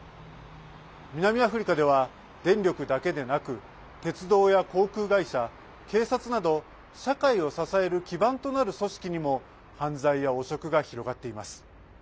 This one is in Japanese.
南アフリカでは電力だけでなく鉄道や航空会社、警察など社会を支える基盤となる組織にも犯罪や汚職が広がっています。